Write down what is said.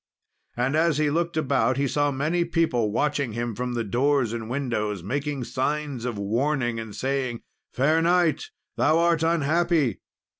And as he looked about, he saw many people watching him from doors and windows, making signs of warning, and saying, "Fair knight, thou art unhappy."